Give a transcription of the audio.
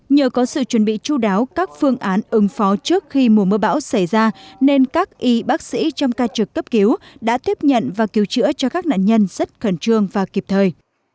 nhờ có sự chuẩn bị chú đáo các phương án ứng phó trước khi mùa mưa bão xảy ra nên các y bác sĩ trong ca trực cấp cứu đã tiếp nhận và cứu chữa cho các nạn nhân rất khẩn trương và kịp thời